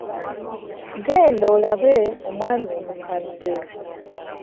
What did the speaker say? Genda olabe omwami omukadde.